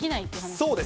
そうです。